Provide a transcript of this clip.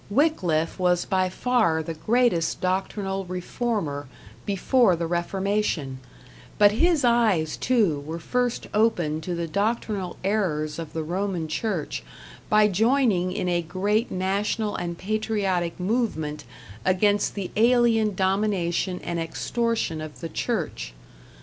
Wiclif was by far the greatest doctrinal reformer before the reformation; but his eyes, too, were first opened to the doctrinal errors of the Roman Church by joining in a great national and patriotic movement against the alien domination and extortion of the Church.